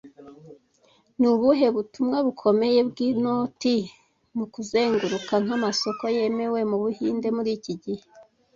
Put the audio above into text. Ni ubuhe butumwa bukomeye bw'inoti mu kuzenguruka nk'amasoko yemewe mu Buhinde muri iki gihe